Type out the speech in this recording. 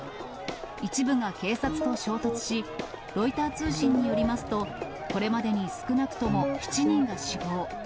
一部が警察と衝突し、ロイター通信によりますと、これまでに少なくとも７人が死亡。